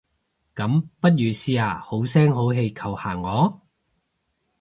噉，不如試下好聲好氣求下我？